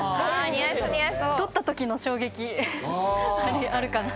取ったときの衝撃あるかな。